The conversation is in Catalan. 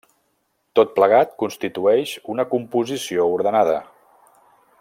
Tot plegat constitueix una composició ordenada.